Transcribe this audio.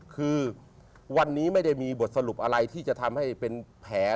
คือวันนี้ไม่ได้มีบทสรุปอะไรที่จะทำให้เป็นแผล